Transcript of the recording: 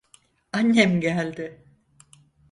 Annem geldi.